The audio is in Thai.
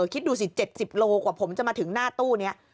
คิดดูสิ๗๐โลกว่าผมจะมาถึงหน้าตู้นี้